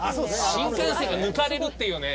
新幹線が抜かれるっていうね